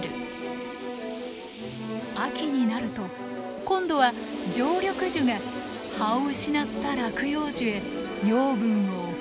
秋になると今度は常緑樹が葉を失った落葉樹へ養分を送る。